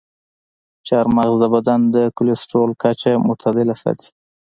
چارمغز د بدن د کلسترول کچه متعادله ساتي.